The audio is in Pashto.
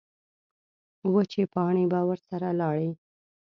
وچې پاڼې به ورسره لاړې.